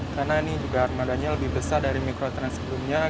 karena ini juga armadanya lebih besar dari mikrotrans sebelumnya